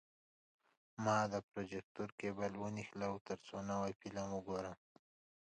ما د پروجیکتور کیبل ونښلاوه، ترڅو نوی فلم وګورم.